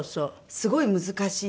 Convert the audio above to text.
すごい難しい。